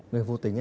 người vô tính